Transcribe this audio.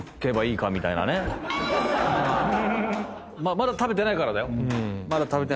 まだ食べてないから。